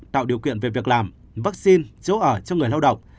tạo điều kiện về việc làm vaccine chỗ ở cho người lao động